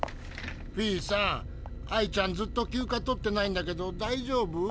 フィーさんアイちゃんずっと休暇取ってないけどだいじょうぶ？